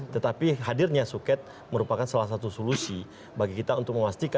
tetapi hadirnya suket merupakan salah satu solusi bagi kita untuk memastikan